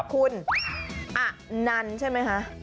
คุณอนันใช่ไหมคะ